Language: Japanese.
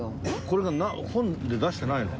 これが本で出してないの？